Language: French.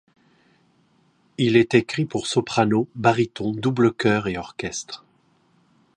Il est écrit pour soprano, baryton, double chœur et orchestre.